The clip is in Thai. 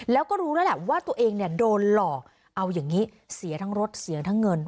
แล้วก็รู้แล้วแหละว่าตัวเองเนี่ยโดนหลอกเอาอย่างนี้เสียทั้งรถเสียทั้งเงิน